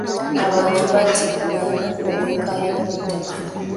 Abantu battingana olw'enkaayana ku ttaka.